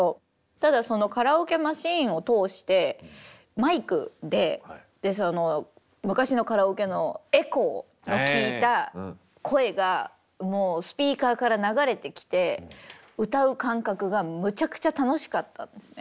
ただそのカラオケマシーンを通してマイクで昔のカラオケのエコーの利いた声がもうスピーカーから流れてきて歌う感覚がむちゃくちゃ楽しかったんですね。